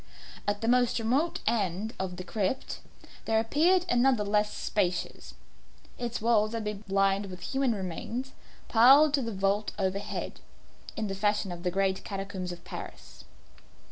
At the most remote end of the crypt there appeared another less spacious. Its walls had been lined with human remains, piled to the vault overhead, in the fashion of the great catacombs of Paris.